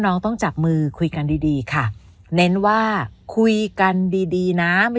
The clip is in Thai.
น้องต้องจับมือคุยกันดีดีค่ะเน้นว่าคุยกันดีดีนะไม่